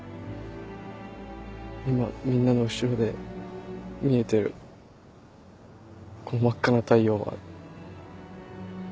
今みんなの後ろで見えてるこの真っ赤な太陽は。